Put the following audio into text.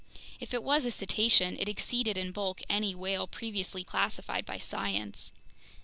If it was a cetacean, it exceeded in bulk any whale previously classified by science.